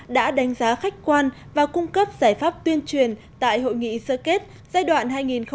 đã đánh giá khách quan và cung cấp giải pháp tuyên truyền tại hội nghị sơ kết giai đoạn hai nghìn một mươi bảy hai nghìn một mươi tám